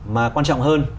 mà quan trọng hơn